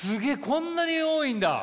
こんなに多いんだ！